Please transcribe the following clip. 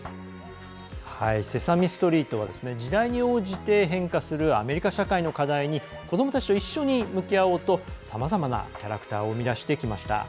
「セサミストリート」は時代に応じて変化するアメリカ社会の課題に子どもたちと一緒に向き合おうとさまざまなキャラクターを生み出してきました。